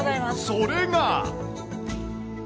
それが。